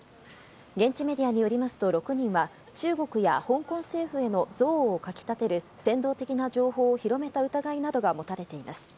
現地メディアによりますと、６人は中国や香港政府への憎悪をかきたてる、扇動的な情報を広めた疑いなどが持たれています。